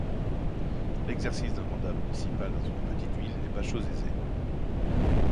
L’exercice d’un mandat municipal dans une petite ville n’est pas chose aisée.